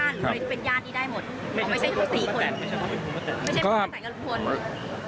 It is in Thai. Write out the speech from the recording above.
เป็นยาดที่ได้หมดไม่ใช่ทุกสี่คน